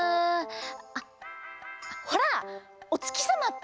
あっほらおつきさまって